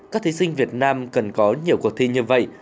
các thí sinh việt nam cần có nhiều cuộc thi như vậy